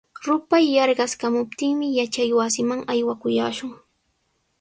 Rupay yarqaskamuptinmi yachaywasiman aywakullaashun.